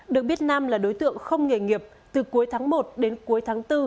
được biết nam là đối tượng không nghề nghiệp từ cuối tháng một đến cuối tháng bốn